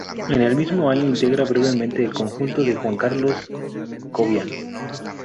En el mismo año integra brevemente el conjunto de Juan Carlos Cobián.